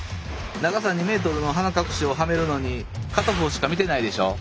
長さ２ｍの鼻隠しをはめるのに片方しか見てないでしょう？